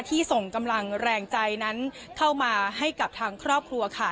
ส่งกำลังแรงใจนั้นเข้ามาให้กับทางครอบครัวค่ะ